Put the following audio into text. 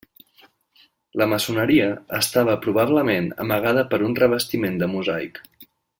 La maçoneria estava probablement amagada per un revestiment de mosaic.